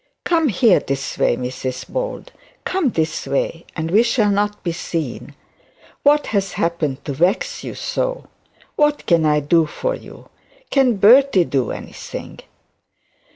'Come here, this way, Mrs Bold; come this way, and we shall not be seen. What has happened to vex you so? What can I do for you? Can Bertie do anything?'